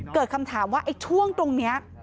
เกิดคำถามว่าไอ้ช่วงตรงนี้